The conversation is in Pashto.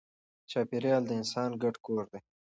چاپېریال د انسان ګډ کور دی.